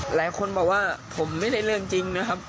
หลายคนบอกว่าผมไม่ได้เรื่องจริงนะครับ